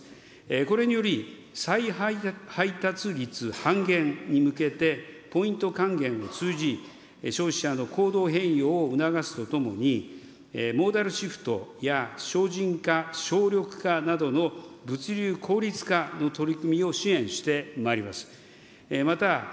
これにより、再配達率半減に向けて、ポイント還元を通じ、消費者の行動変異を促すとともに、モーダルシフトや、省人化、省力化などの物流効率化の取り組みを支援してまいります。